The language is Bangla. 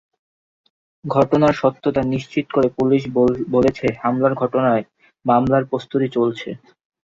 ঘটনার সত্যতা নিশ্চিত করে পুলিশ বলেছে, হামলার ঘটনায় মামলার প্রস্তুতি চলছে।